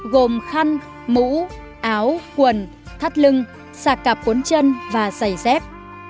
gồm khăn mũ áo quần thắt lưng xà cạp cuốn chân và giày dép